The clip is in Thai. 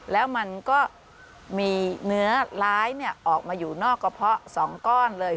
แล้วมันก็มีเนื้อร้ายออกมาอยู่นอกกระเพาะ๒ก้อนเลย